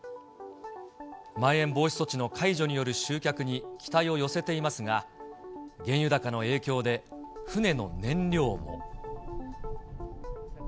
まん延防止措置の解除による集客に期待を寄せていますが、原油高の影響で、船の燃料も。